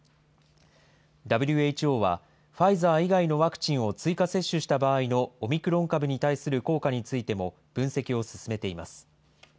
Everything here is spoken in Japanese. ＷＨＯは、ファイザー以外のワクチンを追加接種した場合のオミクロン株に対する効果についても、分析を進めています。